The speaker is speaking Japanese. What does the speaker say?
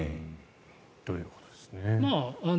ということですね。